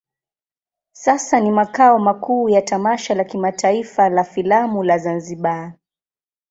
Sasa ni makao makuu ya tamasha la kimataifa la filamu la Zanzibar.